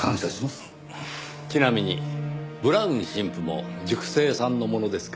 ちなみに『ブラウン神父』も塾生さんのものですか？